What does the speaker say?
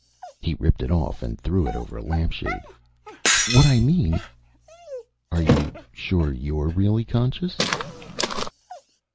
He ripped it off and threw it over a lampshade. "What I mean " "Are you sure you're really conscious?"